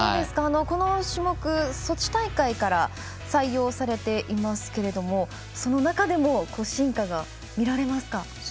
この種目、ソチ大会から採用されていますけれどもその中でも進化が見られますか。